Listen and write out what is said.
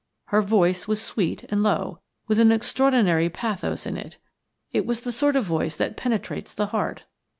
Her voice was sweet and low, with an extraordinary pathos in it. It was the sort of voice that penetrates to the heart.